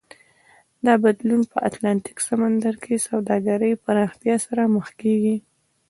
دا بدلون په اتلانتیک سمندر کې سوداګرۍ پراختیا سره مخ کېږي.